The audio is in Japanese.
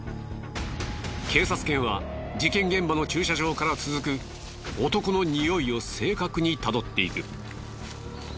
警察犬は事件現場の駐車場から続く男のニオイを正確にたどっていく。